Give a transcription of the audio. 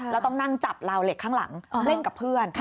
แล้วต้องนั่งจับลาวเหล็กข้างหลังเล่นกับเพื่อน